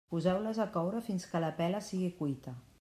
Poseu-les a coure fins que la pela sigui cuita.